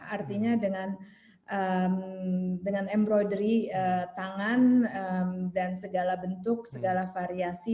artinya dengan embrory tangan dan segala bentuk segala variasi